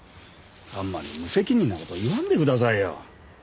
あんまり無責任な事を言わんでくださいよ。